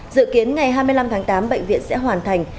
dự kiến ngày hai mươi năm tháng tám bệnh viện sẽ hoàn thành